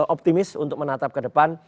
optimis untuk menatap ke depan